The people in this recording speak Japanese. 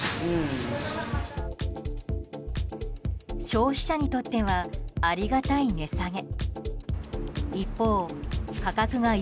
消費者にとってはありがたい値下げ。